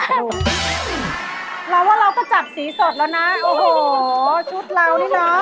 เราว่าเราก็จับสีสดแล้วนะโอ้โหชุดเรานี่เนอะ